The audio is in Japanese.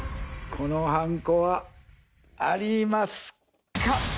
このはんこはありますか？